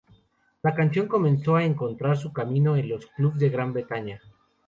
La canción comenzó a encontrar su camino en los clubs de Gran Bretaña.